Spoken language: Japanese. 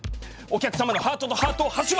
お客様のハートとハートを橋渡し！